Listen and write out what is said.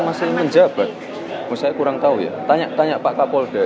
masih menjabat saya kurang tahu ya tanya pak kapoldo aja